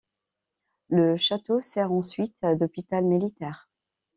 Le château sert ensuite d'hôpital militaire.